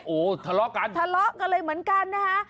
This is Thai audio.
โอ้โหทะเลาะกันทะเลาะกันเลยเหมือนกันนะคะ